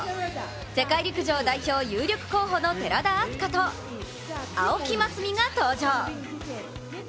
世界陸上代表有力候補の寺田明日香と青木益未が登場。